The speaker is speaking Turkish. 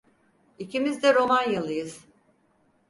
İkimiz de Romanyalıyız!